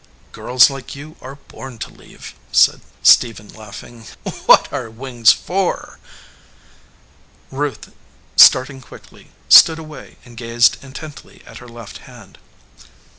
"Girls like you are born to leave," said Stephen, laughing. "What are wings for?" 263 EDGEWATER PEOPLE Ruth, starting quickly, stood away and gazed in tently at her left hand.